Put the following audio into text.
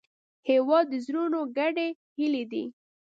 هېواد د زړونو ګډې هیلې دي.